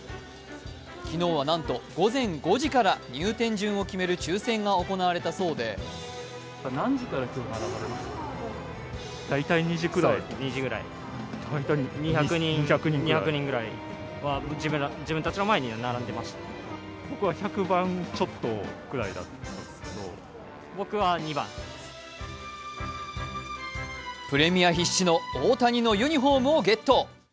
昨日はなんと午前５時から入店順を決める抽選が行われたそうでプレミア必至の大谷のユニフォームをゲット。